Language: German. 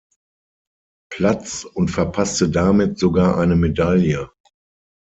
Platz und verpasste damit sogar eine Medaille.